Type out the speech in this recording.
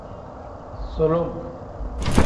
Sulum.